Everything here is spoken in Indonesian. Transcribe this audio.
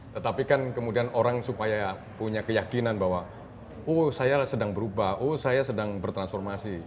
tetapi kan kemudian orang supaya punya keyakinan bahwa oh saya sedang berubah oh saya sedang bertransformasi